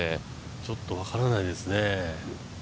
ちょっと分からないですね。